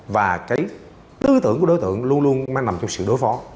và cái tư tưởng của đối tượng luôn luôn mang nằm trong sự đối phó